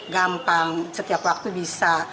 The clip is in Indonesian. gampang setiap waktu bisa